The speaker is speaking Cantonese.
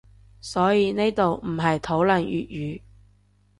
所以呢度唔係討論粵語